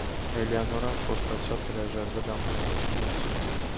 Էլեոնորան խոստացավ հրաժարվել ամուսնությունից։